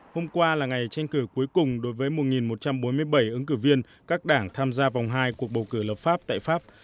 hôm qua là ngày tranh cử cuối cùng đối với một một trăm bốn mươi bảy ứng cử viên các đảng tham gia vòng hai cuộc bầu cử lập pháp tại pháp